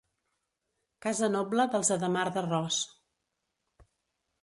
Casa noble dels Ademar d'Arròs.